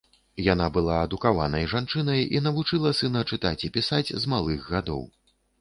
Яна была адукаванай жанчынай і навучыла сына чытаць і пісаць з малых гадоў.